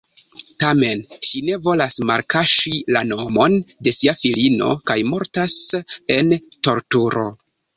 Tamen ŝi ne volas malkaŝi la nomon de sia filino kaj mortas en torturo.